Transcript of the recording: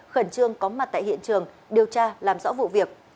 khẩn trương có mặt tại hiện trường điều tra làm rõ vụ việc